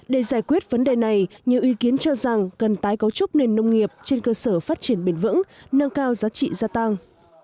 để giải quyết vấn đề này nhiều ý kiến cho rằng cần tái cấu trúc nền nông nghiệp trên cơ sở phát triển bền vững nâng cao giá trị gia tăng